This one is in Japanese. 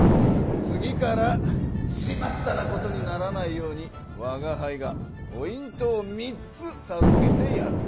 次から「しまった！」なことにならないようにわがはいがポイントを３つさずけてやろう。